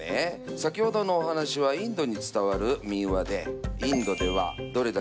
先ほどのお話はインドに伝わる民話でインドではああ。